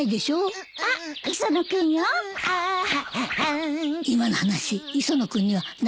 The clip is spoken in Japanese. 今の話磯野君には内緒よ。